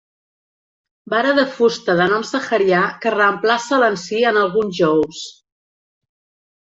Vara de fusta de nom saharià que reemplaça l'ansí en alguns jous.